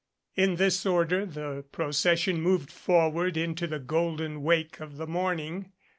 In this order the procession moved forward into the golden wake of the morning.